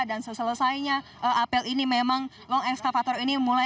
dan seselesainya apel ini memang long excavator ini mulai